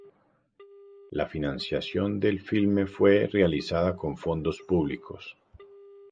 La financiación del filme fue realizada con fondos públicos.